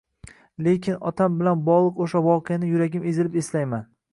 Lekin otam bilan bog‘liq o‘sha voqeani yuragim ezilib eslayman.